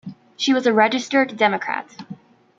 She was a registered Democrat.